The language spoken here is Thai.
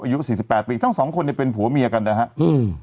อายุสี่สิบแปดปีทั้งสองคนเนี่ยเป็นผัวเมียกันนะฮะอืม